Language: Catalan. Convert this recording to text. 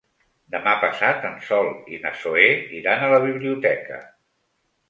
Demà passat en Sol i na Zoè iran a la biblioteca.